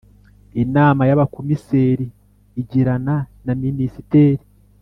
Inama y Abakomiseri igirana na Minisiteri